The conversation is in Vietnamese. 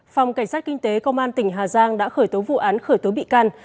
phòng cảnh sát kinh tế công an tỉnh hà giang đã khởi tố vụ án khởi tố bị can